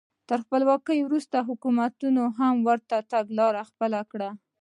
تر خپلواکۍ وروسته حکومتونو هم ورته تګلاره خپله کړه.